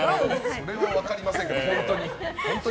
それも分かりませんが。